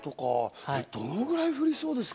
どのぐらい降りそうですか？